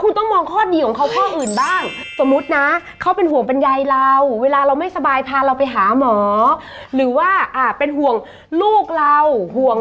คุณต้องมองข้อดีของเขาข้ออื่นบ้าง